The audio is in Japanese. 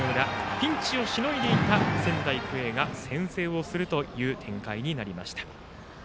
ピンチをしのいでいた仙台育英が先制をするという展開になりました。